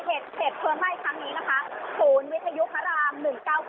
เหตุเพลิงไหม้ครั้งนี้นะคะศูนย์วิทยุพระราม๑๙๙